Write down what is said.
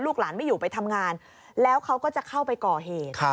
หลานไม่อยู่ไปทำงานแล้วเขาก็จะเข้าไปก่อเหตุ